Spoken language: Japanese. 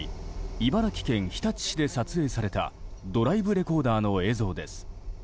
茨城県日立市で撮影されたドライブレコーダーの映像です。